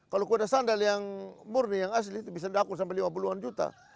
kalau kuda sandal yang murni yang asli itu bisa dakur sampai lima puluh an juta